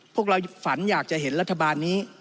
พวกเราฝันอยากจะเห็นรัฐบาลนี้